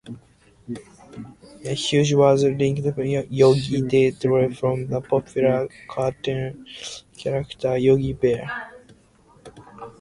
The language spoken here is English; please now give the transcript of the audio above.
Hughes was nicknamed 'Yogi', derived from the popular cartoon character Yogi Bear.